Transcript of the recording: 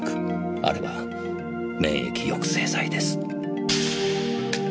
あれは免疫抑制剤です。